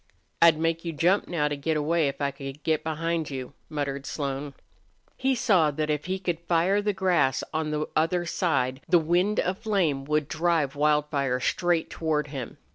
"I'd make you hump now to get away if I could get behind you," muttered Slone. He saw that if he could fire the grass on the other side the wind of flame would drive Wildfire straight toward him.